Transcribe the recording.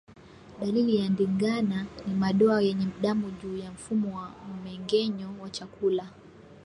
Dalili ya ndigana ni madoa yenye damu juu ya mfumo wa mmengenyo wa chakula